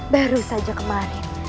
baru saja kemarin